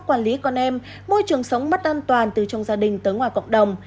quản lý con em môi trường sống mất an toàn từ trong gia đình tới ngoài cộng đồng